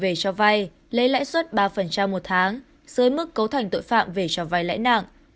về cho vay lấy lãi suất ba một tháng dưới mức cấu thành tội phạm về cho vay lãi nặng